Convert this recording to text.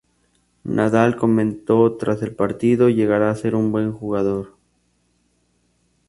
Nadal comentó tras el partido: "Llegará a ser un buen jugador.